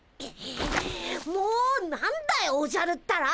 もう何だよおじゃるったら！